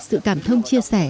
sự cảm thông chia sẻ